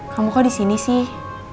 kamu kok di sini sih